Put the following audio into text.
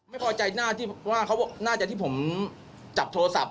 ไม่พอใจหน้าที่เพราะว่าน่าจะที่ผมจับโทรศัพท์